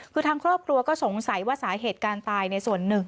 คือทางครอบครัวก็สงสัยว่าสาเหตุการณ์ตายในส่วนหนึ่ง